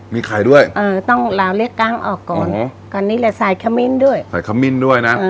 มีไข่ด้วยเออต้องลาเลือกกลางออกก่อนก่อนนี้แหละใส่ขมิ้นด้วยใส่ขมิ้นด้วยนะ